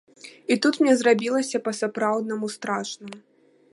І тут мне зрабілася па-сапраўднаму страшна.